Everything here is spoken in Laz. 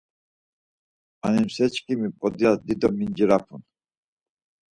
Animseçkimi p̌odiyas dido mincirapun.